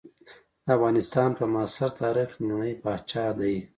د افغانستان په معاصر تاریخ کې لومړنی پاچا دی.